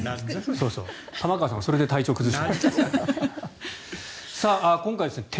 玉川さんはそれで体調を崩した。